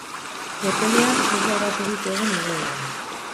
Tropelean ez da erasorik egon igoeran.